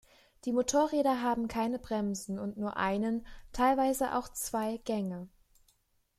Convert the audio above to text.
Die Motorräder haben keine Bremsen und nur einen, teilweise auch zwei Gänge.